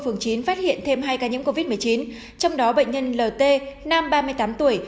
phường chín phát hiện thêm hai ca nhiễm covid một mươi chín trong đó bệnh nhân lt nam ba mươi tám tuổi